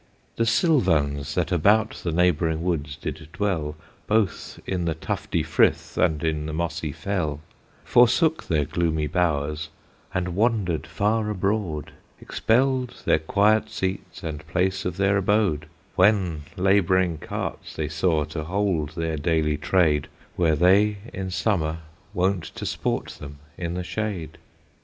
The Sylvans that about the neighbouring woods did dwell, Both in the tufty frith and in the mossy fell, Forsook their gloomy bowers, and wandered far abroad, Expelled their quiet seats, and place of their abode, When labouring carts they saw to hold their daily trade, Where they in summer wont to sport them in the shade.